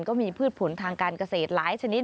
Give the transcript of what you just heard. พืชผลทางการเกษตรหลายชนิด